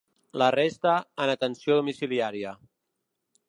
La resta, en atenció domiciliària.